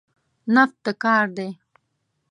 نفت د کار دی.